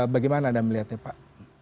bagaimana anda melihatnya pak